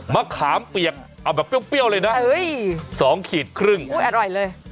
มะขามเปียกเอาแบบเปรี้ยวเลยนะ๒ขีดครึ่งอุ้ยอร่อยเลย